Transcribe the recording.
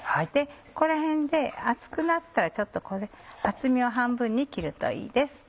ここら辺で厚くなったらちょっと厚みを半分に切るといいです。